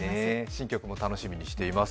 新曲も楽しみにしています。